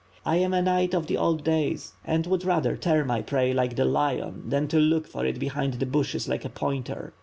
I am a knight of the old days and would rather tear my prey, like the lion, than to look for it behind the bushes like a pointer.